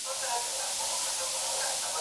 هغې وویل دا د ساینس لوی نوښت دی.